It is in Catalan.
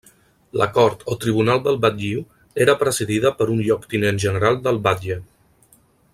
La cort o tribunal del batlliu era presidida per un lloctinent general del batlle.